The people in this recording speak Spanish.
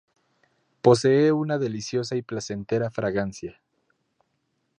Posee una deliciosa y placentera fragancia.